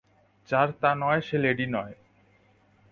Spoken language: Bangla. যার তা নয় সে লেডি নয়।